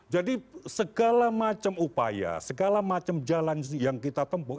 jadi segala macam upaya segala macam jalan yang kita tempuh